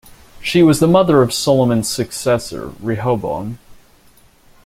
She was the mother of Solomon's successor, Rehoboam.